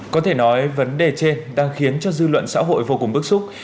có thể nói vấn đề trên đang khiến cho dư luận xã hội vô cùng bức xúc